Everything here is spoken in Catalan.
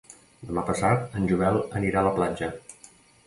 Demà passat en Joel anirà a la platja.